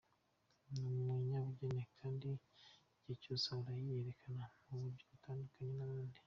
Ni umunyabugeni kandi igihe cyose ahora yiyerekana mu buryo butandukanye n’abandi.